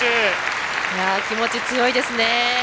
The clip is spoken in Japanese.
気持ち強いですね。